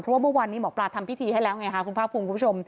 เพราะว่าเมื่อวานนี้หมอปลาทำพิธีให้แล้วไงค่ะคุณภาคภูมิคุณผู้ชม